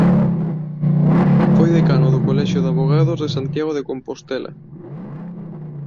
Foi decano do Colexio de Avogados de Santiago de Compostela.